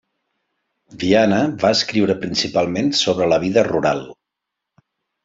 Viana va escriure principalment sobre la vida rural.